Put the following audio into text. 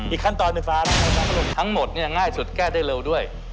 ขั้นตอนไฟฟ้ารมทั้งหมดเนี่ยง่ายสุดแก้ได้เร็วด้วย